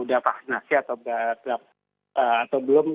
udah vaksinasi atau belum